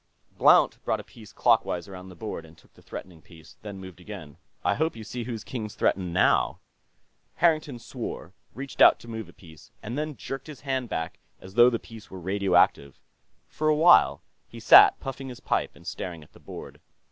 Blount brought a piece clockwise around the board and took the threatening piece, then moved again. "I hope you see whose king's threatened, now." Harrington swore, reached out to move a piece, and then jerked his hand back as though the piece were radioactive. For a while, he sat puffing his pipe and staring at the board.